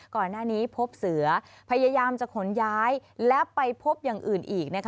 ก่อนหน้านี้พบเสือพยายามจะขนย้ายและไปพบอย่างอื่นอีก